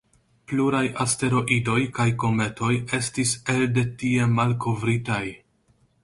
Pluraj asteroidoj kaj kometoj estis elde tie malkovritaj.